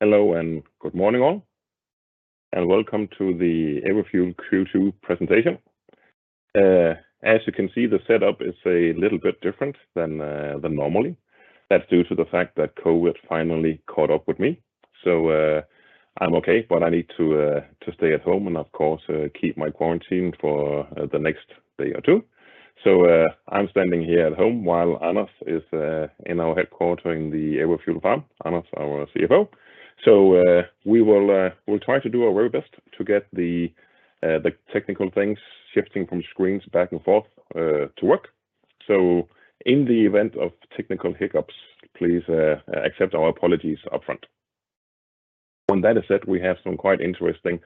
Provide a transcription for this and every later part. Hello and good morning all, and welcome to the Everfuel Q2 presentation. As you can see, the setup is a little bit different than normally. That's due to the fact that COVID finally caught up with me, so I'm okay, but I need to stay at home and of course keep my quarantine for the next day or two. I'm standing here at home while Anders is in our headquarters in Herning. Anders, our CFO. We'll try to do our very best to get the technical things shifting from screens back and forth to work. In the event of technical hiccups, please accept our apologies up front. When that is said, we have some quite interesting,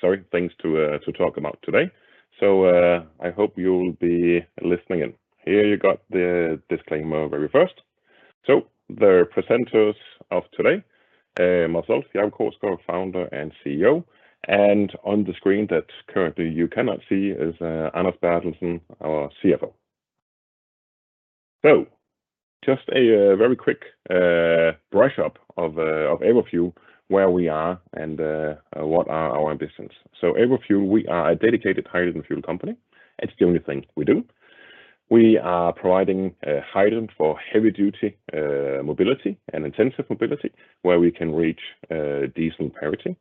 sorry, things to talk about today. I hope you'll be listening in. Here you got the disclaimer very first. The presenters of today, myself, Jacob Krogsgaard, Founder and CEO, and on the screen that currently you cannot see is Anders Bertelsen, our CFO. Just a very quick brush up of Everfuel, where we are and what are our ambitions. Everfuel, we are a dedicated hydrogen fuel company. It's the only thing we do. We are providing hydrogen for heavy duty mobility and intensive mobility where we can reach diesel parity.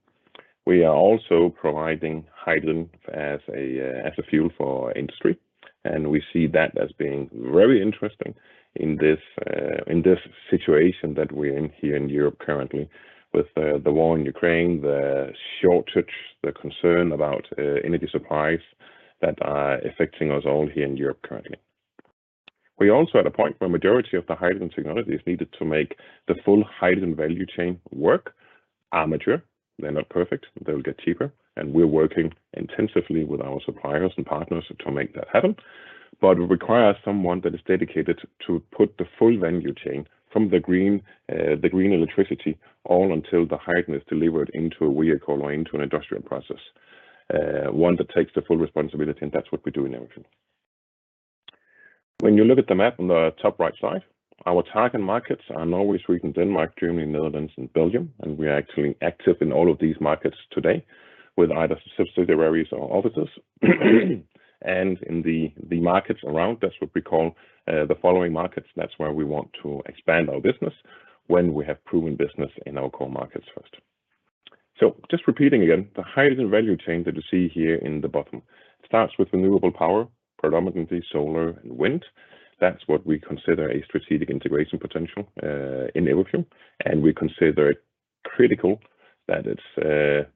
We are also providing hydrogen as a fuel for industry, and we see that as being very interesting in this situation that we're in here in Europe currently with the war in Ukraine, the shortage, the concern about energy supplies that are affecting us all here in Europe currently. We are also at a point where majority of the hydrogen technologies needed to make the full hydrogen value chain work are mature. They're not perfect. They'll get cheaper, and we're working intensively with our suppliers and partners to make that happen. It requires someone that is dedicated to put the full value chain from the green electricity all until the hydrogen is delivered into a vehicle or into an industrial process. One that takes the full responsibility, and that's what we do in Everfuel. When you look at the map on the top right side, our target markets are Norway, Sweden, Denmark, Germany, Netherlands and Belgium, and we are actually active in all of these markets today with either subsidiaries or offices. In the markets around, that's what we call the following markets. That's where we want to expand our business when we have proven business in our core markets first. Just repeating again, the hydrogen value chain that you see here in the bottom starts with renewable power, predominantly solar and wind. That's what we consider a strategic integration potential in Everfuel. We consider it critical that it's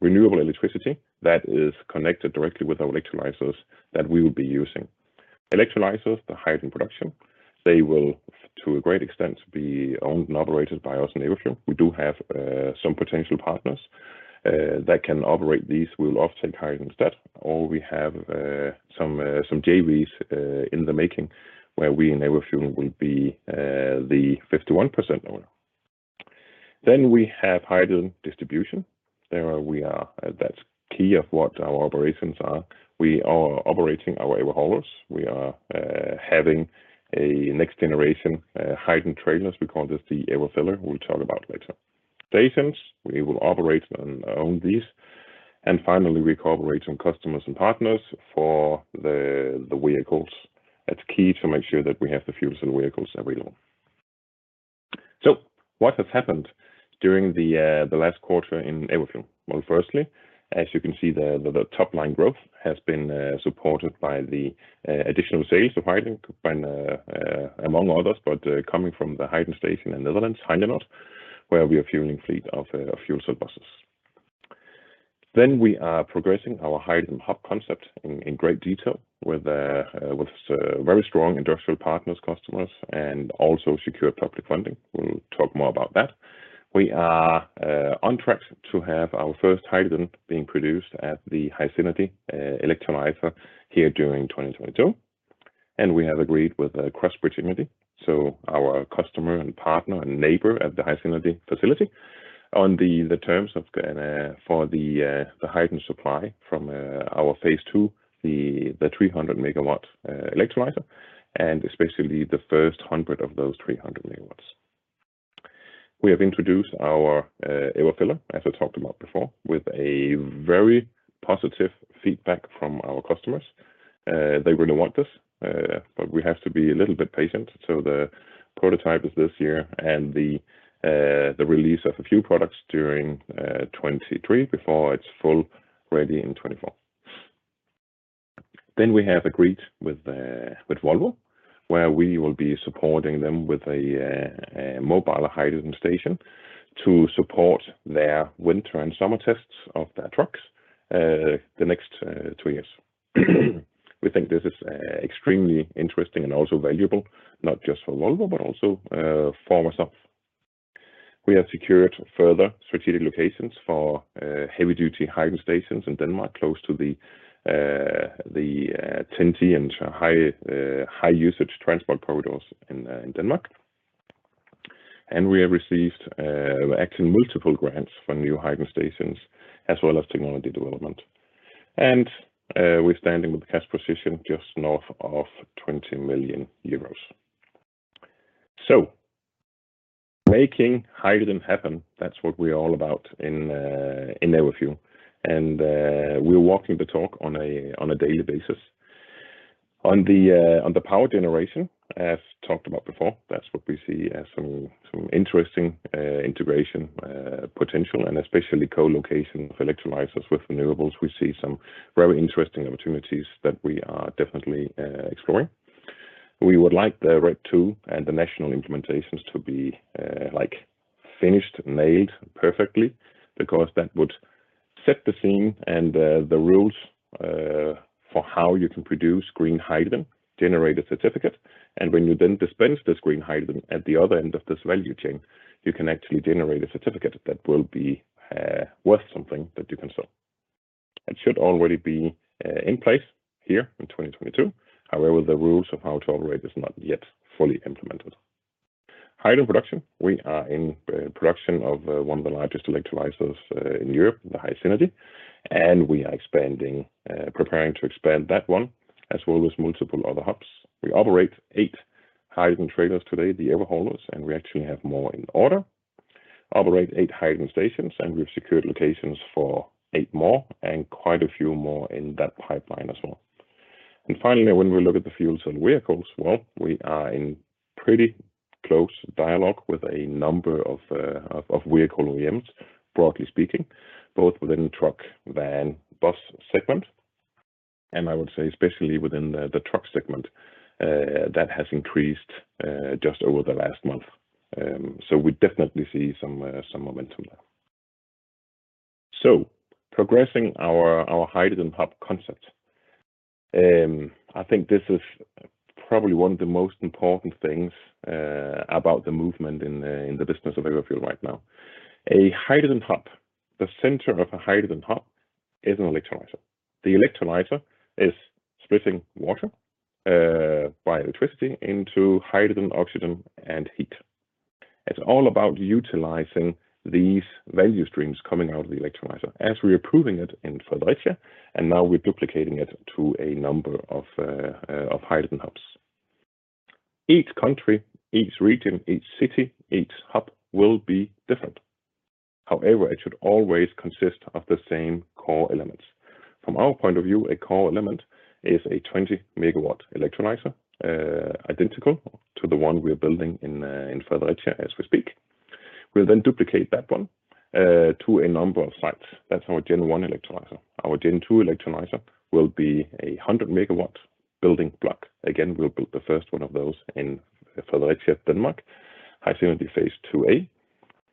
renewable electricity that is connected directly with our electrolyzers that we will be using. Electrolyzers, the hydrogen production, they will to a great extent be owned and operated by us in Everfuel. We do have some potential partners that can operate these. We'll offtake hydrogen instead, or we have some JVs in the making where we in Everfuel will be the 51% owner. Then we have hydrogen distribution. There we are. That's key to what our operations are. We are operating our Everhaulers. We are having a next generation hydrogen trailers. We call this the Everfiller. We'll talk about it later. Stations, we will operate and own these. Finally, we cooperate with customers and partners for the vehicles. That's key to make sure that we have the fuels and vehicles that we want. What has happened during the last quarter in Everfuel? Well, firstly, as you can see the top line growth has been supported by the additional sales of hydrogen by among others but coming from the hydrogen station in the Netherlands, Heinenoord, where we are fueling fleet of fuel cell buses. We are progressing our hydrogen hub concept in great detail with very strong industrial partners, customers and also secure public funding. We'll talk more about that. We are on track to have our first hydrogen being produced at the HySynergy electrolyzer here during 2022. We have agreed with Crossbridge Energy, so our customer and partner and neighbor at the HySynergy facility on the terms of the hydrogen supply from our phase II, the 300 MW electrolyzer, and especially the first 100 of those 300 MW. We have introduced our Everfiller, as I talked about before, with very positive feedback from our customers. They really want this, but we have to be a little bit patient. The prototype is this year and the release of a few products during 2023 before it's full ready in 2024. We have agreed with Volvo, where we will be supporting them with a mobile hydrogen station to support their winter and summer tests of their trucks the next two years. We think this is extremely interesting and also valuable not just for Volvo, but also for ourselves. We have secured further strategic locations for heavy duty hydrogen stations in Denmark, close to the TEN-T and high usage transport corridors in Denmark. We have received actually multiple grants for new hydrogen stations as well as technology development. We're standing with the cash position just north of 20 million euros. Making hydrogen happen, that's what we're all about in Everfuel. We're walking the talk on a daily basis. On the power generation, as talked about before, that's what we see as some interesting integration potential, and especially co-location of electrolyzers with renewables. We see some very interesting opportunities that we are definitely exploring. We would like the RED II and the national implementations to be like finished, nailed perfectly because that would set the scene and the rules for how you can produce green hydrogen, generate a certificate. When you then dispense this green hydrogen at the other end of this value chain, you can actually generate a certificate that will be worth something that you can sell. It should already be in place here in 2022. However, the rules of how to operate is not yet fully implemented. Hydrogen production, we are in production of one of the largest electrolyzers in Europe, the HySynergy. We are expanding, preparing to expand that one as well as multiple other hubs. We operate eight hydrogen trailers today, the Everhaulers, and we actually have more in order. Operate eight hydrogen stations, and we've secured locations for eight more, and quite a few more in that pipeline as well. Finally, when we look at the fuels and vehicles, well, we are in pretty close dialogue with a number of vehicle OEMs, broadly speaking, both within the truck, van, bus segment. I would say especially within the truck segment that has increased just over the last month. We definitely see some momentum there. Progressing our hydrogen hub concept. I think this is probably one of the most important things about the movement in the business of Everfuel right now. A hydrogen hub, the center of a hydrogen hub is an electrolyzer. The electrolyzer is splitting water by electricity into hydrogen, oxygen, and heat. It's all about utilizing these value streams coming out of the electrolyzer as we are proving it in Fredericia, and now we're duplicating it to a number of hydrogen hubs. Each country, each region, each city, each hub will be different. However, it should always consist of the same core elements. From our point of view, a core element is a 20 MW electrolyzer, identical to the one we are building in Fredericia as we speak. We'll then duplicate that one to a number of sites. That's our gen-1 electrolyzer. Our gen-2 electrolyzer will be a 100 MW building block. Again, we'll build the first one of those in Fredericia, Denmark, HySynergy phase IIa.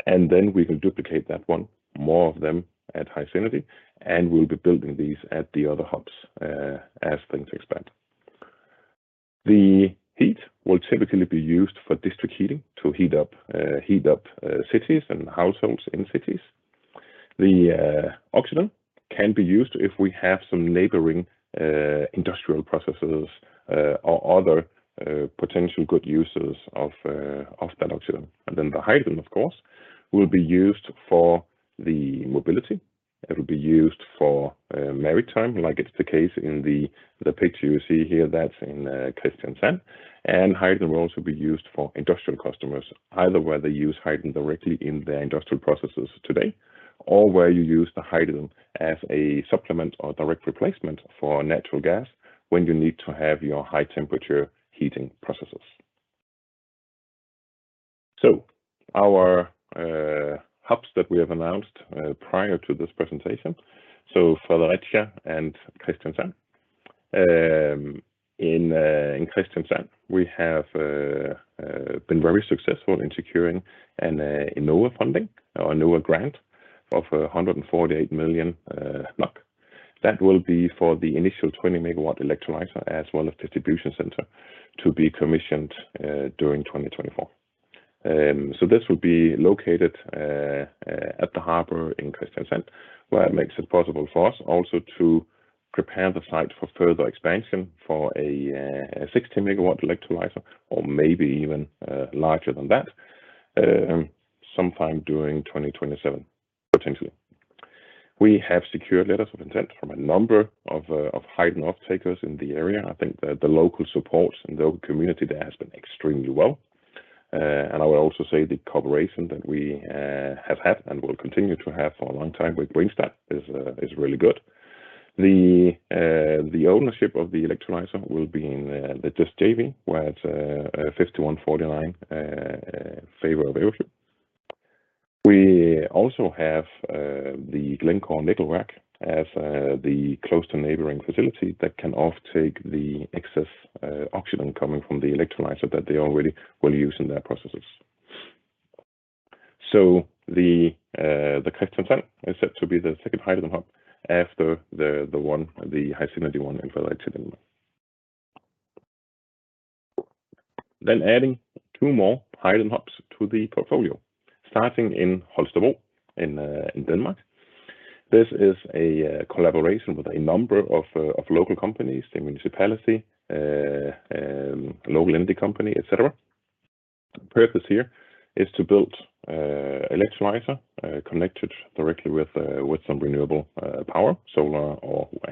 Then we will duplicate that one, more of them at HySynergy, and we'll be building these at the other hubs as things expand. The heat will typically be used for district heating to heat up cities and households in cities. The oxygen can be used if we have some neighboring industrial processes or other potential good uses of that oxygen. Then the hydrogen, of course, will be used for the mobility. It will be used for maritime, like it's the case in the picture you see here. That's in Kristiansand. Hydrogen will also be used for industrial customers, either where they use hydrogen directly in their industrial processes today, or where you use the hydrogen as a supplement or direct replacement for natural gas when you need to have your high-temperature heating processes. Our hubs that we have announced prior to this presentation, Fredericia and Kristiansand. In Kristiansand, we have been very successful in securing an Enova funding, or Enova grant of 148 million NOK. That will be for the initial 20 MW electrolyzer as well as distribution center to be commissioned during 2024. This will be located at the harbor in Kristiansand, where it makes it possible for us also to prepare the site for further expansion for a 60 MW electrolyzer or maybe even larger than that, sometime during 2027, potentially. We have secured letters of intent from a number of hydrogen offtakers in the area. I think the local support and the local community there has been extremely well. I would also say the cooperation that we have had and will continue to have for a long time with Bringstad is really good. The ownership of the electrolyzer will be in the JYSK JV, where it's 51-49 favor of Everfuel. We also have the Glencore Nikkelverk as the closely neighboring facility that can offtake the excess oxygen coming from the electrolyzer that they already will use in their processes. The Kristiansand is set to be the second hydrogen hub after the HySynergy one in Fredericia, Denmark. Adding two more hydrogen hubs to the portfolio, starting in Holstebro in Denmark. This is a collaboration with a number of local companies, the municipality, local energy company, et cetera. The purpose here is to build electrolyzer connected directly with some renewable power, solar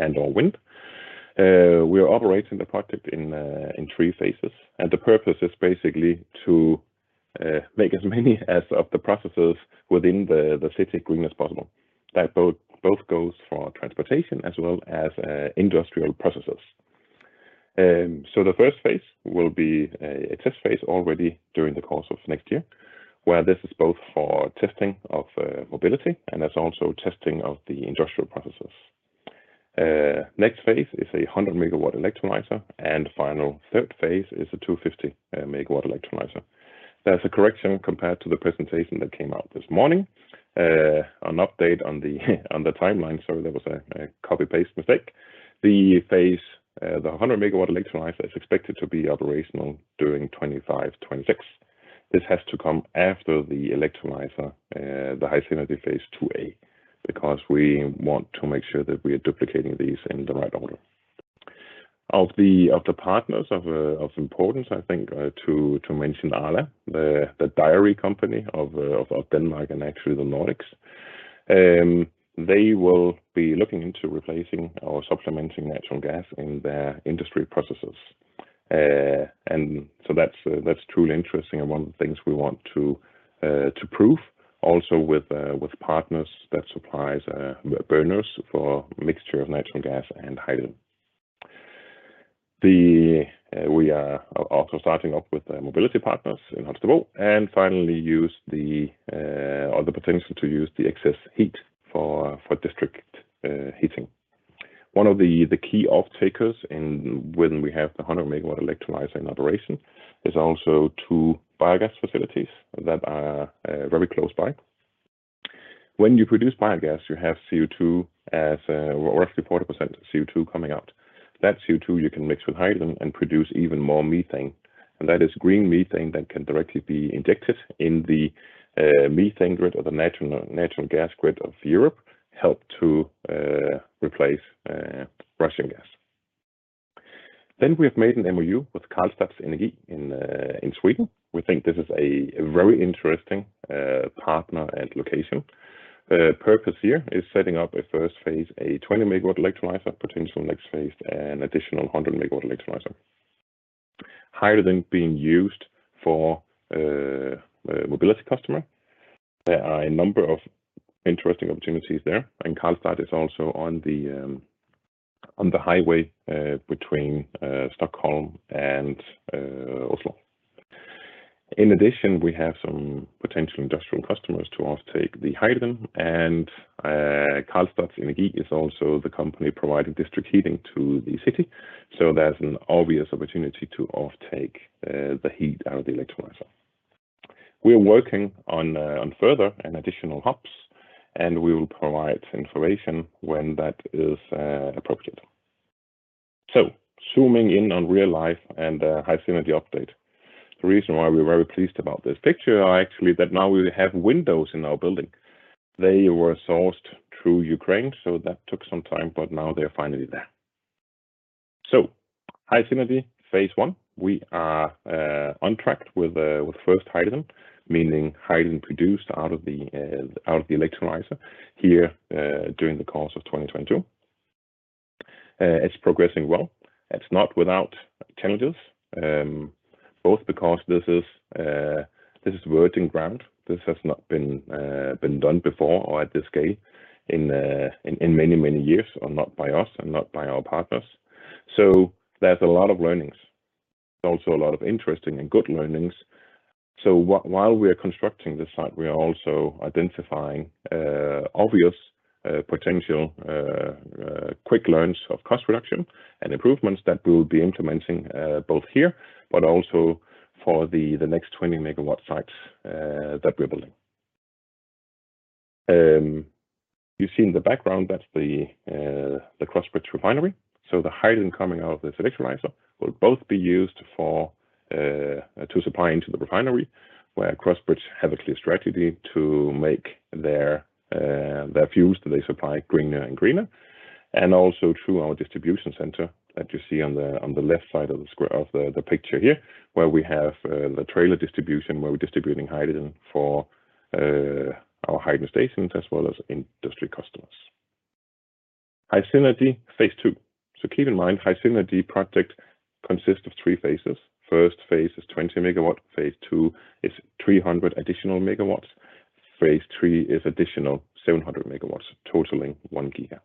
and/or wind. We are operating the project in three phases, and the purpose is basically to make as many of the processes within the city green as possible. That both goes for transportation as well as industrial processes. The first phase will be a test phase already during the course of next year, where this is both for testing of mobility, and that's also testing of the industrial processes. Next phase is a 100 MW electrolyzer, and final third phase is a 250 MW electrolyzer. There's a correction compared to the presentation that came out this morning. An update on the timeline. Sorry, there was a copy-paste mistake. The hundred megawatts electrolyzer is expected to be operational during 2025-2026. This has to come after the electrolyzer, the HySynergy phase IIa, because we want to make sure that we are duplicating these in the right order. Of the partners of importance, I think, to mention Arla, the dairy company of Denmark and actually the Nordics. They will be looking into replacing or supplementing natural gas in their industry processes. That's truly interesting and one of the things we want to prove also with partners that supplies burners for mixture of natural gas and hydrogen. We are also starting up with mobility partners in Aalborg and the potential to use the excess heat for district heating. One of the key off-takers, when we have the 100 MW electrolyzer in operation, is also two biogas facilities that are very close by. When you produce biogas, you have roughly 40% CO2 coming out. That CO2 you can mix with hydrogen and produce even more methane. That is green methane that can directly be injected in the methane grid or the natural gas grid of Europe to help replace Russian gas. We have made an MoU with Karlstads Energi in Sweden. We think this is a very interesting partner and location. The purpose here is setting up a first phase, a 20MW electrolyzer, potential next phase, an additional 100 MW electrolyzer. Hydrogen being used for a mobility customer. There are a number of interesting opportunities there, and Karlstad is also on the highway between Stockholm and Oslo. In addition, we have some potential industrial customers to offtake the hydrogen, and Karlstads Energi is also the company providing district heating to the city. There's an obvious opportunity to offtake the heat out of the electrolyzer. We are working on further and additional hubs, and we will provide information when that is appropriate. Zooming in on real life and HySynergy update. The reason why we're very pleased about this picture are actually that now we have windows in our building. They were sourced through Ukraine, so that took some time, but now they are finally there. HySynergy phase I, we are on track with first hydrogen, meaning hydrogen produced out of the electrolyzer here, during the course of 2022. It's progressing well. It's not without challenges, both because this is virgin ground. This has not been done before or at this scale in many years, or not by us and not by our partners. There's a lot of learnings. Also a lot of interesting and good learnings. While we are constructing the site, we are also identifying obvious potential quick wins of cost reduction and improvements that we'll be implementing both here but also for the next 20 MW sites that we're building. You see in the background, that's the Crossbridge refinery. The hydrogen coming out of this electrolyzer will both be used for to supply into the refinery, where Crossbridge have a clear strategy to make their fuels that they supply greener and greener. And also through our distribution center that you see on the left side of the square, of the picture here, where we have the trailer distribution, where we're distributing hydrogen for our hydrogen stations as well as industry customers. HySynergy phase II. Keep in mind, HySynergy project consists of three phases. First phase is 20 MW. phase II is 300 additional MW. phase III is additional 700 MW, totaling 1 GW.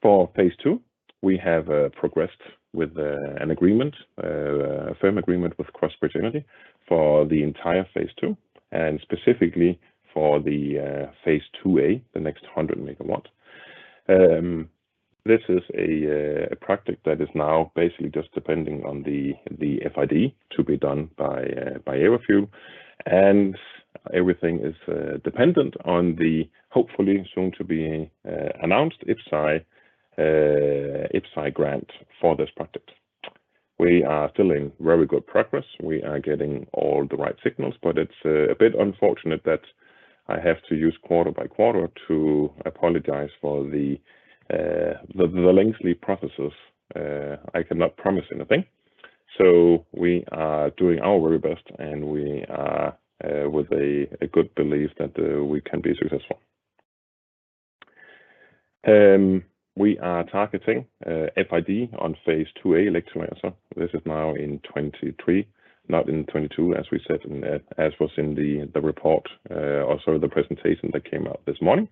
For phase II, we have progressed with an agreement, a firm agreement with Crossbridge Energy for the entire phase II and specifically for the phase IIa, the next 100 MW. This is a project that is now basically just depending on the FID to be done by Everfuel. Everything is dependent on the hopefully soon to be announced IPCEI grant for this project. We are still in very good progress. We are getting all the right signals, but it's a bit unfortunate that I have to use quarter by quarter to apologize for the lengthy processes. I cannot promise anything. We are doing our very best, and we are with a good belief that we can be successful. We are targeting FID on phase II-A electrolyzer. This is now in 2023, not in 2022, as was in the presentation that came out this morning.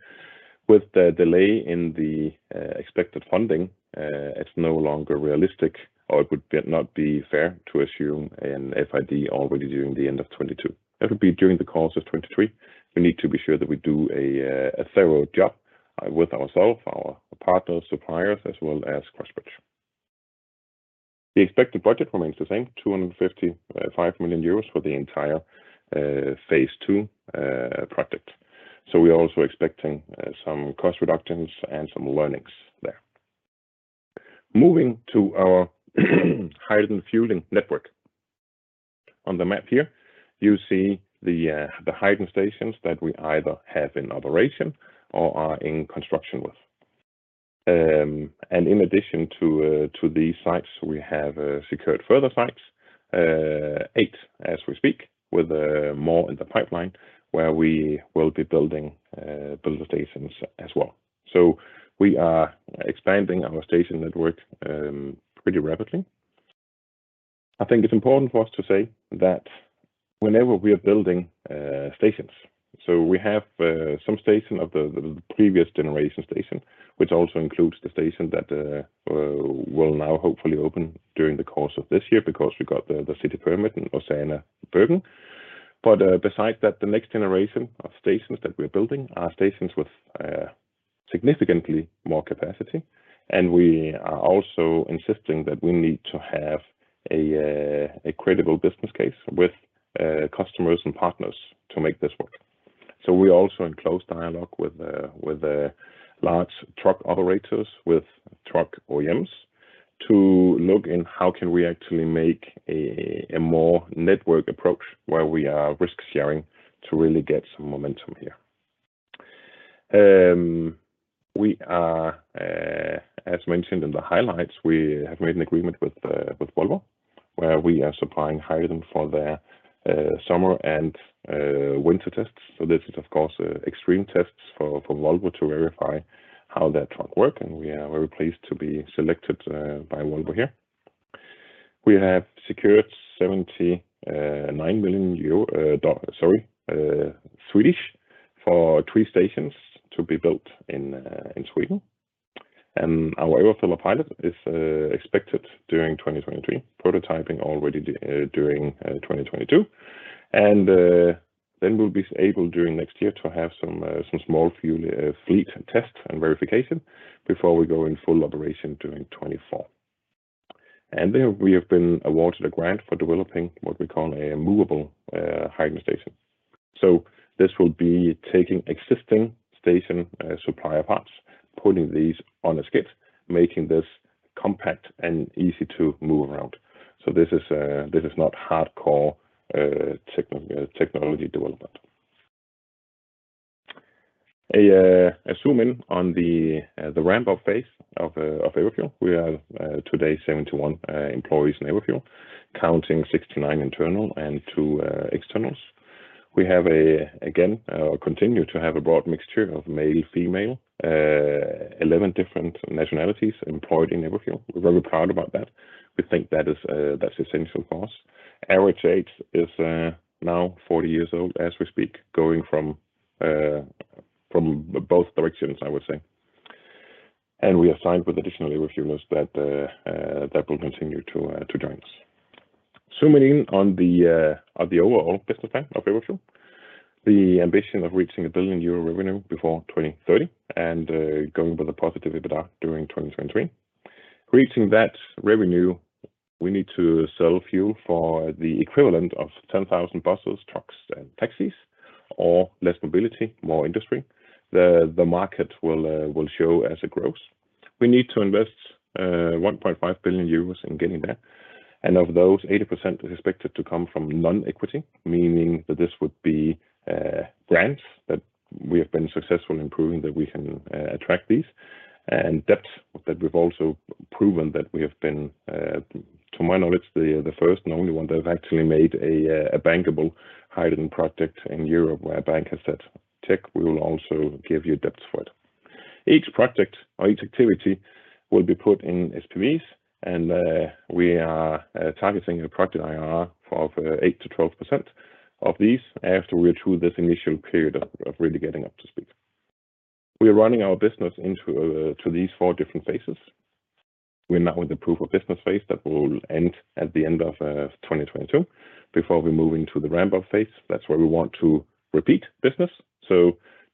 With the delay in the expected funding, it's no longer realistic or it would not be fair to assume an FID already during the end of 2022. That would be during the course of 2023. We need to be sure that we do a thorough job with ourselves, our partners, suppliers, as well as Crossbridge. The expected budget remains the same, 255 million euros for the entire phase II project. We are also expecting some cost reductions and some learnings there. Moving to our hydrogen fueling network. On the map here, you see the hydrogen stations that we either have in operation or are in construction with. In addition to these sites, we have secured further sites, eight as we speak, with more in the pipeline where we will be building stations as well. We are expanding our station network pretty rapidly. I think it's important for us to say that whenever we are building stations, we have some station of the previous generation station, which also includes the station that will now hopefully open during the course of this year because we got the city permit in Åsane, Bergen. Besides that, the next generation of stations that we're building are stations with significantly more capacity, and we are also insisting that we need to have a credible business case with customers and partners to make this work. We also in close dialogue with the large truck operators, with truck OEMs to look into how we can actually make a more network approach where we are risk-sharing to really get some momentum here. As mentioned in the highlights, we have made an agreement with Volvo, where we are supplying hydrogen for their summer and winter tests. This is, of course, extreme tests for Volvo to verify how their trucks work, and we are very pleased to be selected by Volvo here. We have secured SEK 79 million for three stations to be built in Sweden. Our Everfiller pilot is expected during 2023, prototyping already during 2022. We'll be able during next year to have some small fuel fleet test and verification before we go in full operation during 2024. We have been awarded a grant for developing what we call a movable hydrogen station. This will be taking existing station supplier parts, putting these on a skid, making this compact and easy to move around. This is not hardcore technology development. A zoom in on the ramp-up phase of Everfuel. We have today 71 employees in Everfuel, counting 69 internal and two externals. We continue to have a broad mixture of male, female, 11 different nationalities employed in Everfuel. We're very proud about that. We think that's essential for us. Average age is now 40 years old as we speak, going from both directions, I would say. We have signed with additional Everfuelers that will continue to join us. Zooming in on the overall business plan of Everfuel. The ambition of reaching 1 billion euro revenue before 2030 and going with a positive EBITDA during 2023. Reaching that revenue, we need to sell fuel for the equivalent of 10,000 buses, trucks and taxis or less mobility, more industry. The market will show as it grows. We need to invest 1.5 billion euros in getting there. Of those, 80% is expected to come from non-equity, meaning that this would be grants that we have been successful in proving that we can attract these, and debt that we've also proven that we have been, to my knowledge, the first and only one that have actually made a bankable hydrogen project in Europe where a bank has said, "Tech, we will also give you debt for it." Each project or each activity will be put in SPVs, and we are targeting a project IRR of 8%-12% of these after we are through this initial period of really getting up to speed. We are running our business into these four different phases. We're now in the proof of business phase that will end at the end of 2022 before we move into the ramp-up phase. That's where we want to repeat business.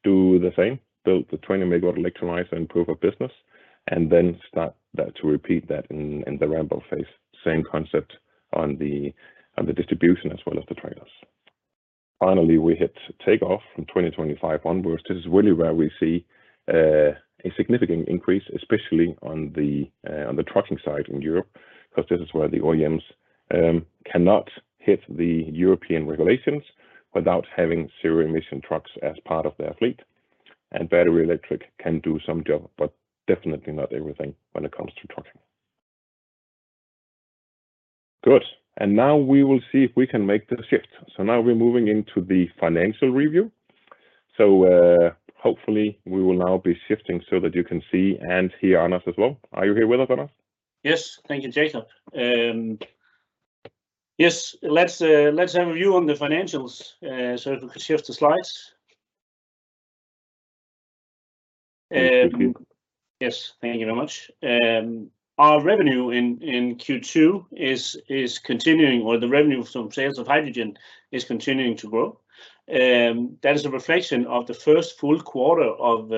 Do the same, build the 20 MW electrolyzer and proof of business, and then start that to repeat that in the ramp-up phase. Same concept on the distribution as well as the trailers. Finally, we hit take-off from 2025 onwards. This is really where we see a significant increase, especially on the trucking side in Europe, because this is where the OEMs cannot hit the European regulations without having zero-emission trucks as part of their fleet, and battery-electric can do some job, but definitely not everything when it comes to trucking. Good. Now we will see if we can make the shift. Now we're moving into the financial review. Hopefully we will now be shifting so that you can see and hear Anders as well. Are you here with us, Anders? Yes. Thank you, Jacob. Yes, let's have a view on the financials, so if we could share the slides. Thank you. Yes, thank you very much. Our revenue in Q2 is continuing, or the revenue from sales of hydrogen is continuing to grow. That is a reflection of the first full quarter of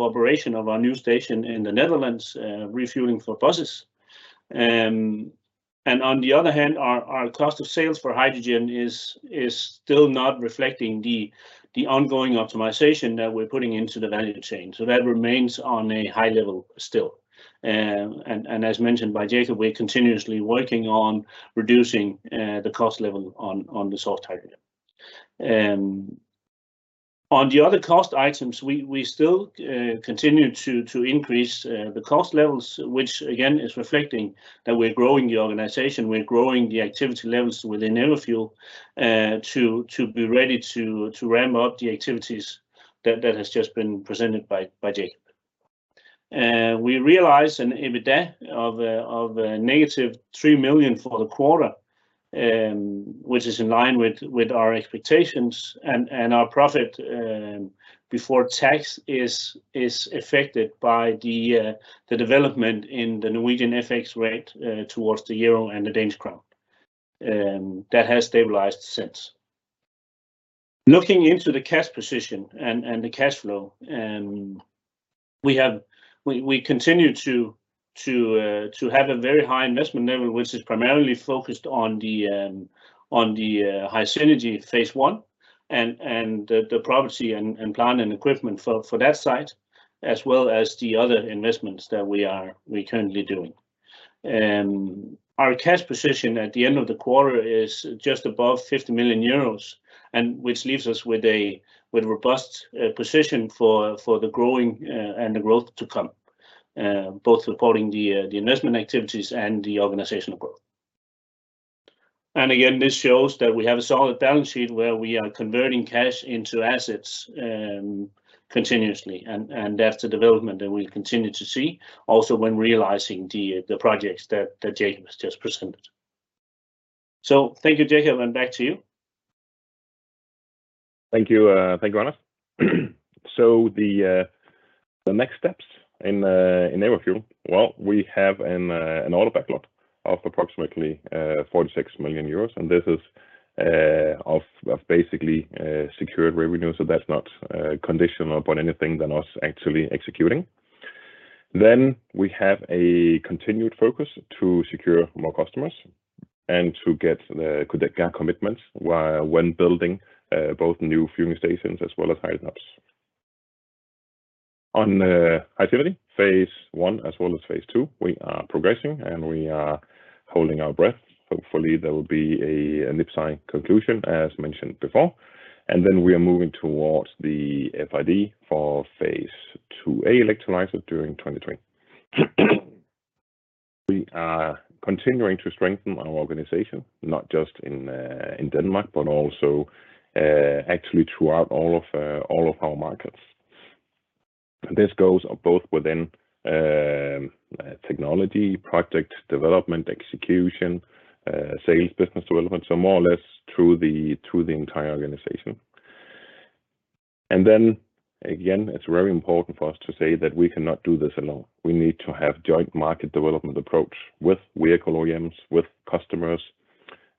operation of our new station in the Netherlands, refueling for buses. On the other hand, our cost of sales for hydrogen is still not reflecting the ongoing optimization that we're putting into the value chain. That remains on a high level still. As mentioned by Jacob, we're continuously working on reducing the cost level on the sold hydrogen. On the other cost items, we still continue to increase the cost levels, which again is reflecting that we're growing the organization, we're growing the activity levels within Everfuel to be ready to ramp up the activities that has just been presented by Jacob. We realized an EBITDA of -3 million for the quarter, which is in line with our expectations and our profit before tax is affected by the development in the Norwegian FX rate towards the euro and the Danish krone. That has stabilized since. Looking into the cash position and the cash flow, we continue to have a very high investment level, which is primarily focused on the HySynergy phase I and the property and plant and equipment for that site, as well as the other investments that we are currently doing. Our cash position at the end of the quarter is just above 50 million euros, which leaves us with a robust position for the growing and the growth to come, both supporting the investment activities and the organizational growth. This shows that we have a solid balance sheet where we are converting cash into assets continuously. That's the development that we'll continue to see also when realizing the projects that Jacob has just presented. Thank you, Jacob, and back to you. Thank you. Thank you, Anders. The next steps in Everfuel. Well, we have an order backlog of approximately 46 million euros, and this is of basically secured revenue. That's not conditional upon anything other than us actually executing. We have a continued focus to secure more customers and to get the commitments when building both new fueling stations as well as hydrogen hubs. On the activity phase I as well as phase II, we are progressing, and we are holding our breath. Hopefully, there will be an IPCEI conclusion as mentioned before. We are moving towards the FID for phase II A electrolyzer during 2020. We are continuing to strengthen our organization, not just in Denmark, but also actually throughout all of our markets. This goes both within technology, project development, execution, sales, business development, so more or less through the entire organization. Then again, it's very important for us to say that we cannot do this alone. We need to have joint market development approach with vehicle OEMs, with customers,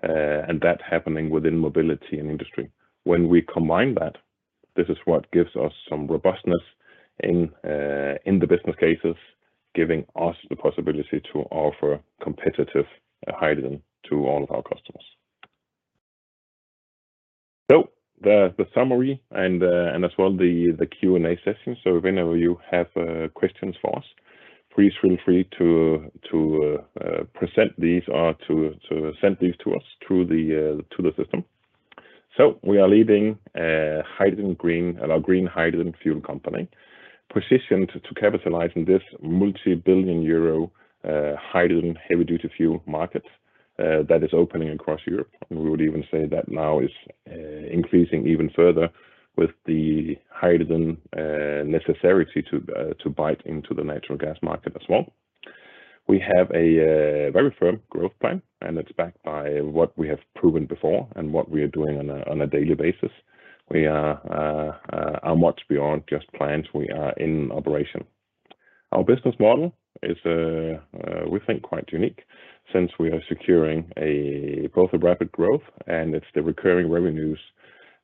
and that happening within mobility and industry. When we combine that, this is what gives us some robustness in the business cases, giving us the possibility to offer competitive hydrogen to all of our customers. The summary and as well the Q&A session. Whenever you have questions for us, please feel free to present these or to send these to us through the system. We are a green hydrogen fuel company positioned to capitalize on this multi-billion EUR hydrogen heavy-duty fuel market that is opening across Europe. We would even say that now is increasing even further with the hydrogen necessary to bite into the natural gas market as well. We have a very firm growth plan, and it's backed by what we have proven before and what we are doing on a daily basis. We are much beyond just plans. We are in operation. Our business model is, we think, quite unique since we are securing both a rapid growth, and it's the recurring revenues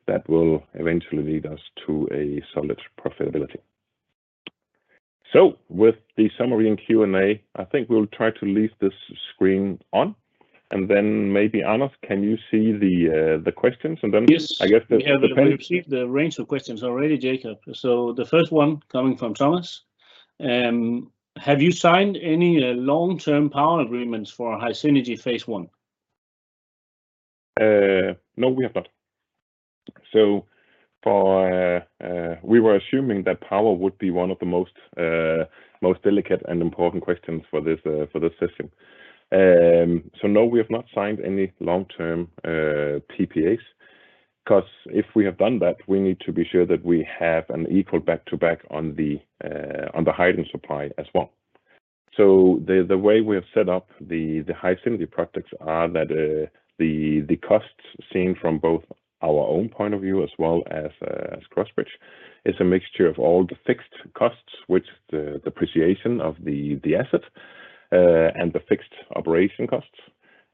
that will eventually lead us to a solid profitability. With the summary and Q&A, I think we'll try to leave this screen on, and then maybe, Anders, can you see the questions, and then- Yes I guess the pending. We have received a range of questions already, Jacob. The first one coming from Thomas: Have you signed any long-term power agreements for HySynergy phase I? No, we have not. We were assuming that power would be one of the most delicate and important questions for this session. No, we have not signed any long-term PPAs, because if we have done that, we need to be sure that we have an equal back-to-back on the hydrogen supply as well. The way we have set up the HySynergy projects is that the costs seen from both our own point of view as well as Crossbridge is a mixture of all the fixed costs, which the depreciation of the asset and the fixed operation costs.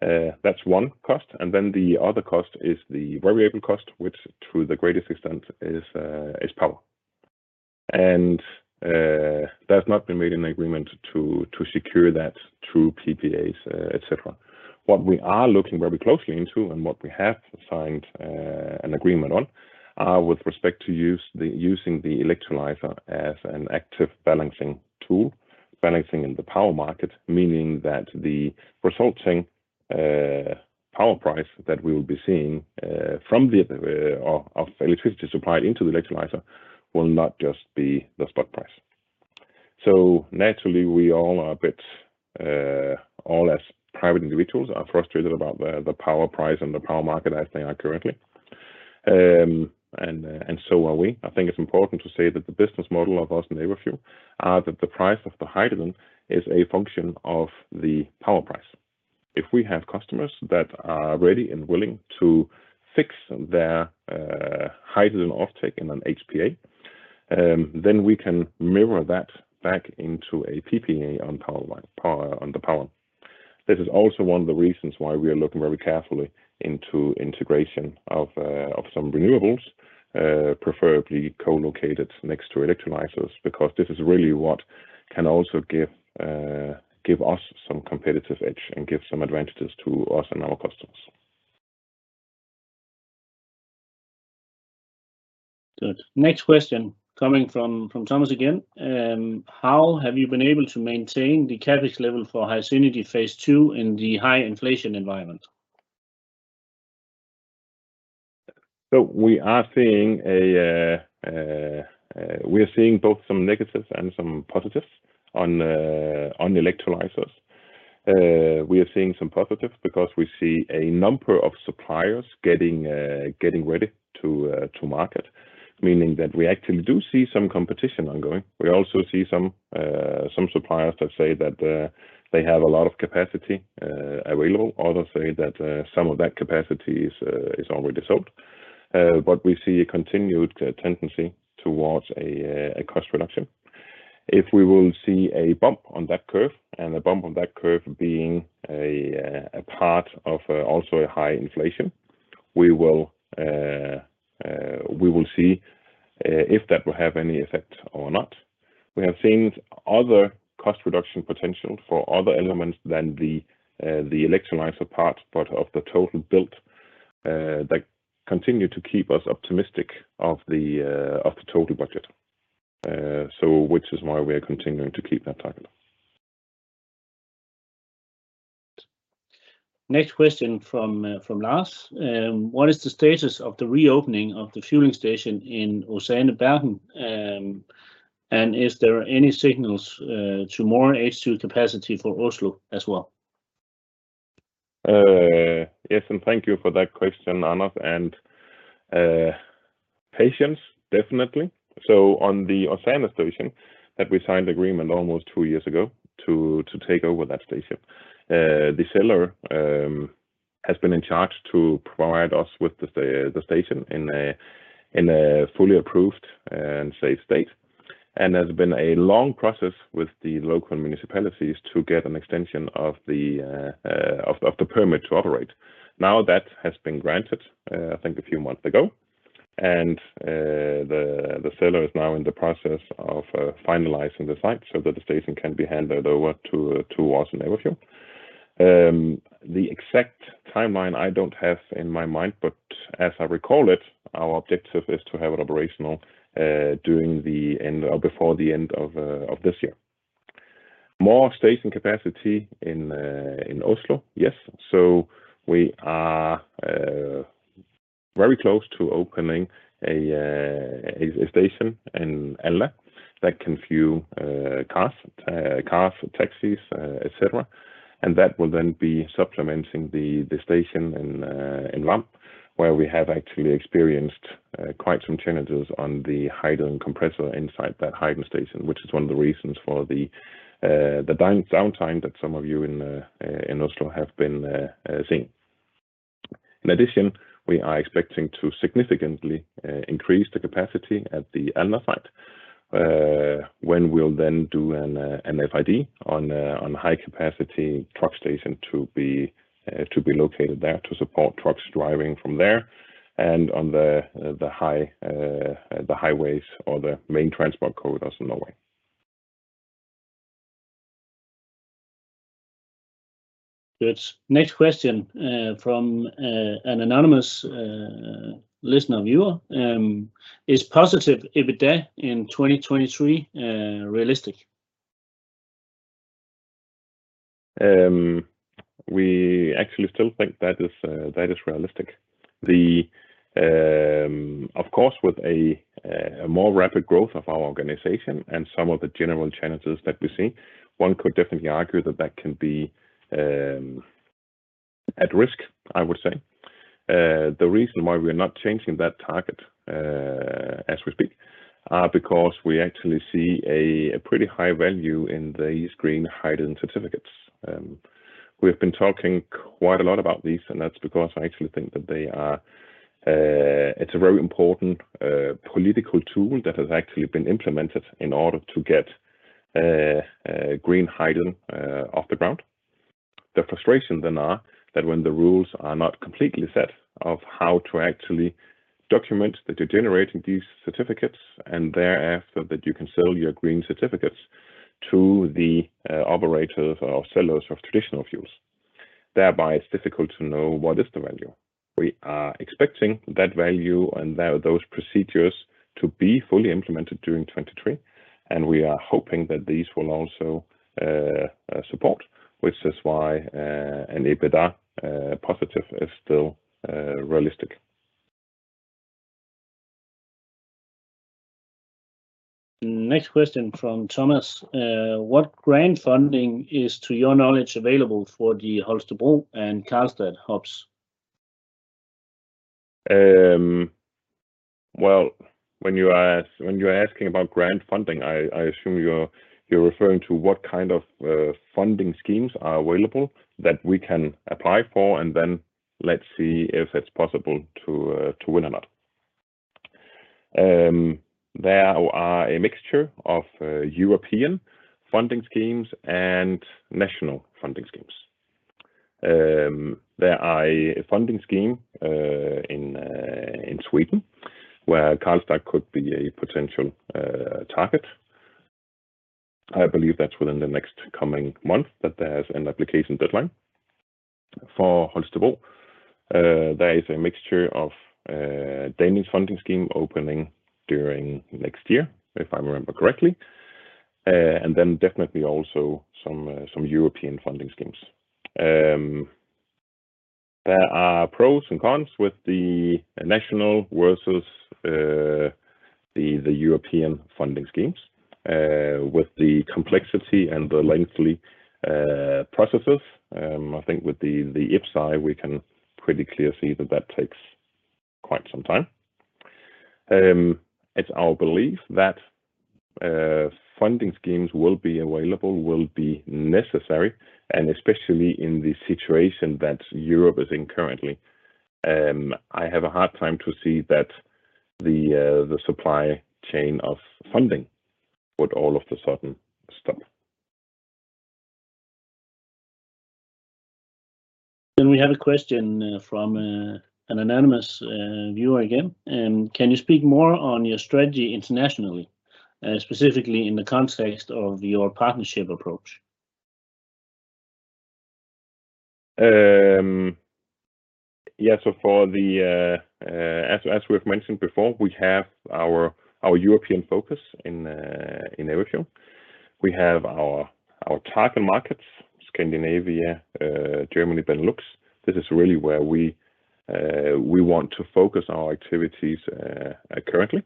That's one cost. Then the other cost is the variable cost, which to the greatest extent is power. There's not been made an agreement to secure that through PPAs, et cetera. What we are looking very closely into and what we have signed an agreement on are with respect to using the electrolyzer as an active balancing tool, balancing in the power market, meaning that the resulting power price that we will be seeing from the cost of electricity supplied into the electrolyzer will not just be the spot price. Naturally, we are all a bit frustrated as private individuals about the power price and the power market as they are currently. So are we. I think it's important to say that the business model of Everfuel are that the price of the hydrogen is a function of the power price. If we have customers that are ready and willing to fix their hydrogen offtake in an HPA, then we can mirror that back into a PPA on the power. This is also one of the reasons why we are looking very carefully into integration of some renewables, preferably co-located next to electrolyzers, because this is really what can also give us some competitive edge and give some advantages to us and our customers. Good. Next question coming from Thomas again. How have you been able to maintain the CapEx level for HySynergy phase II in the high inflation environment? We are seeing both some negatives and some positives on the electrolyzers. We are seeing some positives because we see a number of suppliers getting ready to market, meaning that we actually do see some competition ongoing. We also see some suppliers that say that they have a lot of capacity available. Others say that some of that capacity is already sold. We see a continued tendency towards a cost reduction. If we will see a bump on that curve, and a bump on that curve being a part of also a high inflation, we will see if that will have any effect or not. We have seen other cost reduction potential for other elements than the electrolyzer part of the total built that continue to keep us optimistic of the total budget. Which is why we are continuing to keep that target. Next question from Lars. What is the status of the reopening of the fueling station in Åsane, Bergen? Is there any signals to more H2 capacity for Oslo as well? Yes, thank you for that question, Lars. Patience, definitely. On the Åsane station that we signed agreement almost two years ago to take over that station, the seller has been in charge to provide us with the station in a fully approved and safe state, and has been a long process with the local municipalities to get an extension of the permit to operate. Now that has been granted, I think a few months ago. The seller is now in the process of finalizing the site so that the station can be handed over to Everfuel. The exact timeline I don't have in my mind, but as I recall it, our objective is to have it operational during the end or before the end of this year. More station capacity in Oslo. Yes. We are very close to opening a station in Alna that can fuel cars, taxis, et cetera, and that will then be supplementing the station in Hvam, where we have actually experienced quite some challenges on the hydrogen compressor inside that hydrogen station, which is one of the reasons for the downtime that some of you in Oslo have been seeing. In addition, we are expecting to significantly increase the capacity at the Alna site, when we'll then do an FID on a high-capacity truck station to be located there to support trucks driving from there and on the highways or the main transport corridors in Norway. Good. Next question from an anonymous listener, viewer. Is positive EBITDA in 2023 realistic? We actually still think that is realistic. Of course, with a more rapid growth of our organization and some of the general challenges that we see, one could definitely argue that can be at risk, I would say. The reason why we are not changing that target as we speak because we actually see a pretty high value in these green hydrogen certificates. We have been talking quite a lot about these, and that's because I actually think that it's a very important political tool that has actually been implemented in order to get green hydrogen off the ground. The frustration are that when the rules are not completely set out how to actually document that you're generating these certificates and thereafter that you can sell your green certificates to the operators or sellers of traditional fuels, thereby it's difficult to know what the value is. We are expecting that value and those procedures to be fully implemented during 2023, and we are hoping that these will also support, which is why an EBITDA positive is still realistic. Next question from Thomas. What grant funding is to your knowledge available for the Holstebro and Karlstad hubs? Well, when you're asking about grant funding, I assume you're referring to what kind of funding schemes are available that we can apply for, and then let's see if it's possible to win or not. There are a mixture of European funding schemes and national funding schemes. There are a funding scheme in Sweden where Karlstad could be a potential target. I believe that's within the next coming month that there's an application deadline. For Holstebro, there is a mixture of Danish funding scheme opening during next year, if I remember correctly, and then definitely also some European funding schemes. There are pros and cons with the national versus the European funding schemes with the complexity and the lengthy processes. I think with the IPCEI we can pretty clearly see that takes quite some time. It's our belief that funding schemes will be available, will be necessary, and especially in the situation that Europe is in currently. I have a hard time to see that the supply chain of funding would all of a sudden stop. We have a question from an anonymous viewer again. Can you speak more on your strategy internationally, specifically in the context of your partnership approach? As we've mentioned before, we have our European focus in Everfuel. We have our target markets, Scandinavia, Germany, Benelux. This is really where we want to focus our activities currently,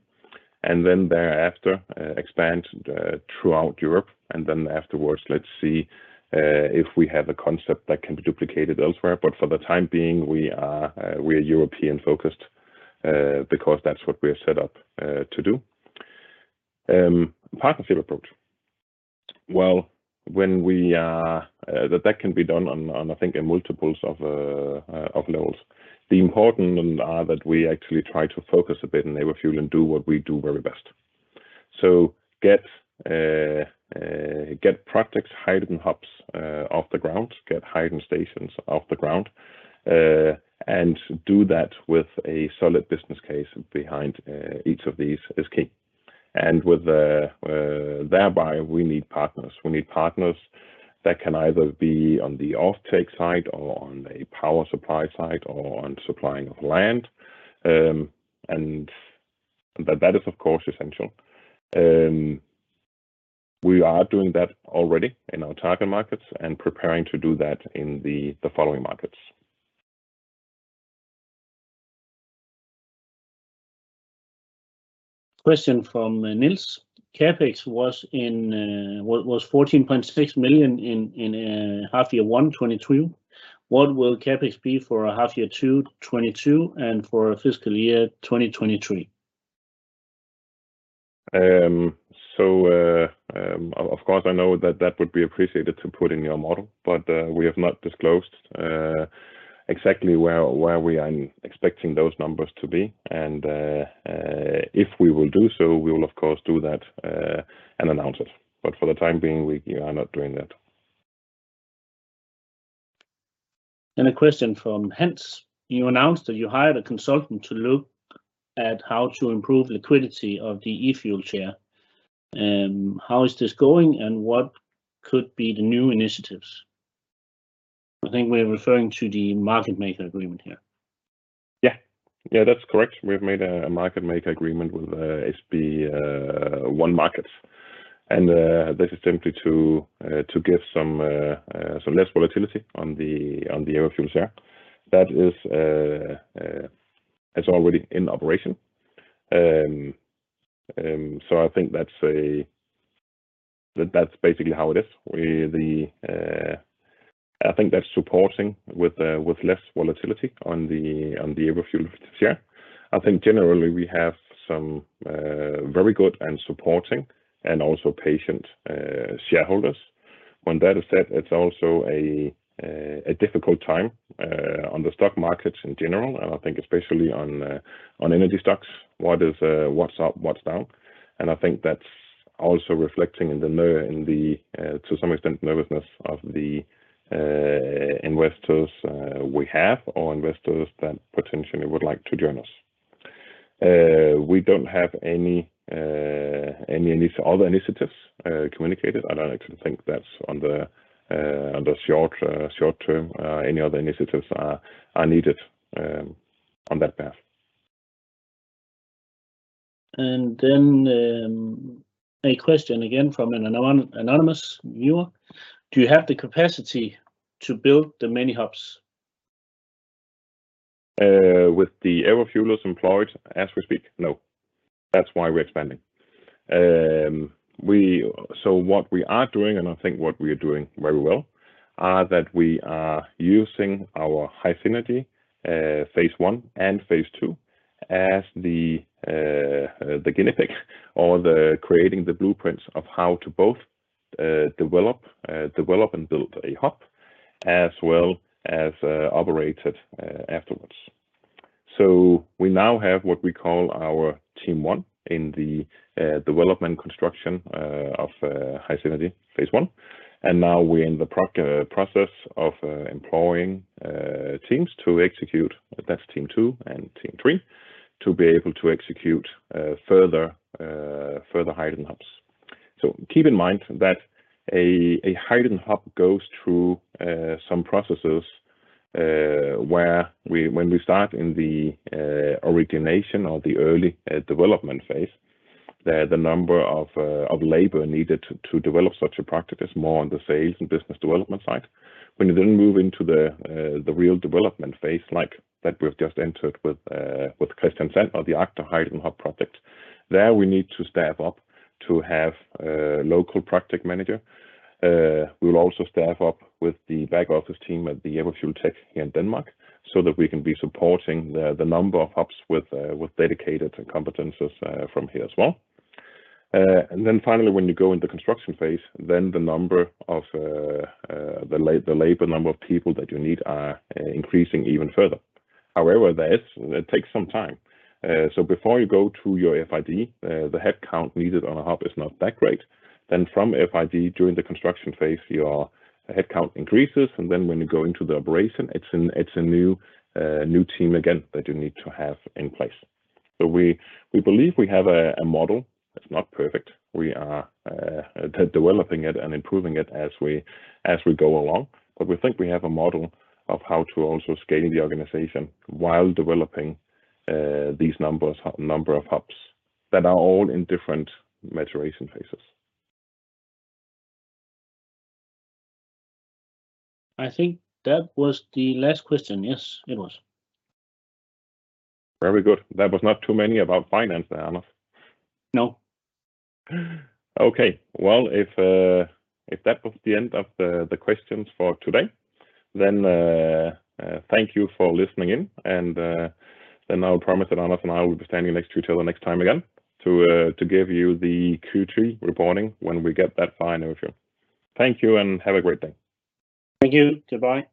and then thereafter expand throughout Europe. Afterwards, let's see if we have a concept that can be duplicated elsewhere. For the time being, we are European-focused because that's what we are set up to do. Partnership approach. Well, that can be done on, I think, in multiples of levels. The important are that we actually try to focus a bit in Everfuel and do what we do very best. Get projects, hydrogen hubs off the ground, get hydrogen stations off the ground, and do that with a solid business case behind each of these is key. With that, thereby we need partners. We need partners that can either be on the offtake side or on the power supply side or on supplying of land. That is, of course, essential. We are doing that already in our target markets and preparing to do that in the following markets. Question from Nils. CapEx was 14.6 million in H1 2022. What will CapEx be for H2 2022 and for fiscal year 2023? Of course I know that would be appreciated to put in your model, but we have not disclosed exactly where we are expecting those numbers to be. If we will do so, we will of course do that and announce it. For the time being, we are not doing that. A question from Hans. You announced that you hired a consultant to look at how to improve liquidity of the Everfuel share. How is this going, and what could be the new initiatives? I think we're referring to the market maker agreement here. Yeah. Yeah, that's correct. We've made a market maker agreement with SpareBank 1 Markets, and this is simply to give some less volatility on the Everfuel share here. That is, that's already in operation. I think that's. That's basically how it is. I think that's supporting with less volatility on the Everfuel share. I think generally we have some very good and supporting and also patient shareholders. When that is said, it's also a difficult time on the stock markets in general, and I think especially on energy stocks, what's up, what's down, and I think that's also reflecting in the, to some extent, nervousness of the investors we have or investors that potentially would like to join us. We don't have any other initiatives communicated. I don't actually think that's on the short-term, any other initiatives are needed on that path. a question again from an anonymous viewer. Do you have the capacity to build the many hubs? With the Everfuelers employed as we speak, no. That's why we're expanding. What we are doing, and I think what we are doing very well, are that we are using our HySynergy phase I and phase II as the guinea pig or the creating the blueprints of how to both develop and build a hub as well as operate it afterwards. We now have what we call our team one in the development construction of HySynergy phase I, and now we're in the process of employing teams to execute. That's team two and team three to be able to execute further hydrogen hubs. Keep in mind that a hydrogen hub goes through some processes, where we, when we start in the origination or the early development phase, the number of labor needed to develop such a project is more on the sales and business development side. When you then move into the real development phase like that we've just entered with Kristian Sand or the Arctic hydrogen hub project, there we need to staff up to have a local project manager. We'll also staff up with the back office team at the Everfuel Tech here in Denmark so that we can be supporting the number of hubs with dedicated competencies from here as well. Finally, when you go into construction phase, the labor number of people that you need are increasing even further. However, it takes some time. Before you go to your FID, the headcount needed on a hub is not that great. From FID, during the construction phase, your headcount increases, and when you go into the operation, it's a new team again that you need to have in place. We believe we have a model. It's not perfect. We are developing it and improving it as we go along. We think we have a model of how to also scale the organization while developing these number of hubs that are all in different maturation phases. I think that was the last question. Yes, it was. Very good. There was not too many about finance there, Anders. No. Okay. Well, if that was the end of the questions for today, then thank you for listening in, and then I will promise that Anders and I will be standing next to you till the next time again to give you the Q3 reporting when we get that final review. Thank you, and have a great day. Thank you. Goodbye.